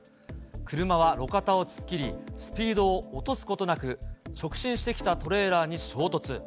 車は路肩を突っ切り、スピードを落とすことなく、直進してきたトレーラーに衝突。